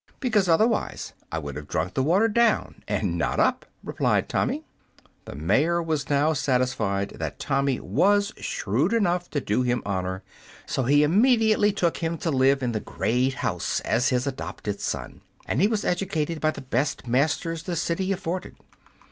"Because otherwise I would have drunk the water down, and not up," replied Tommy. The mayor was now satisfied that Tommy was shrewd enough to do him honor, so he immediately took him to live in the great house as his adopted son, and he was educated by the best masters the city afforded.